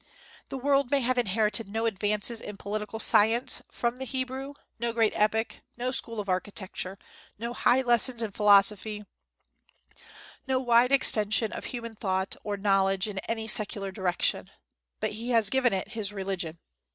The world may have inherited no advances in political science from the Hebrew, no great epic, no school of architecture, no high lessons in philosophy, no wide extension of human thought or knowledge in any secular direction; but he has given it his religion.